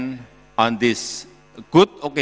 dan di saat ini